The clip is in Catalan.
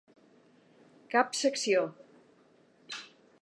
Cap secció.